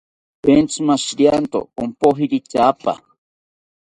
Entzi mashirianto ompojiri tyaapa